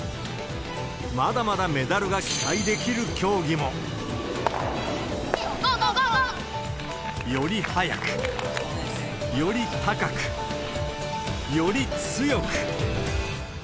まだまだメダルが期待できる競技も。より速く、より高く、より強く。